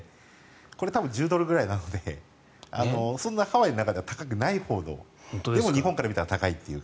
これ多分、１０ドルぐらいなのでそんなハワイの中では高くないほうのでも日本から見たら高いという。